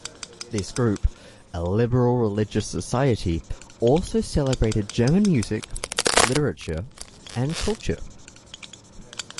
This group, a liberal religious society, also celebrated German music, literature and culture.